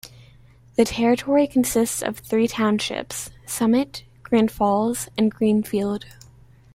The territory consists of three townships: Summit, Grand Falls, and Greenfield.